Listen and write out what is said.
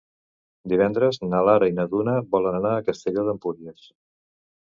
Divendres na Lara i na Duna volen anar a Castelló d'Empúries.